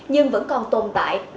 nhưng vẫn còn tồn tại